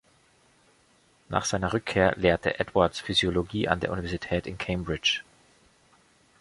Nach seiner Rückkehr lehrte Edwards Physiologie an der Universität in Cambridge.